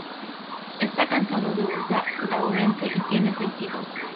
Está casado con Hulda Lawrence y tiene seis hijos.